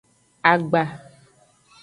Agba.